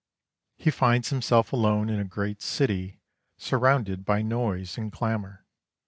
He finds himself alone in a great city, surrounded by noise and clamour.